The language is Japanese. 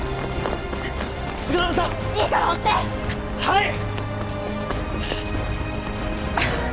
はい！